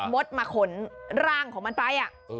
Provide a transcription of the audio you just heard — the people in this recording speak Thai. มดมาขนร่างของมันไป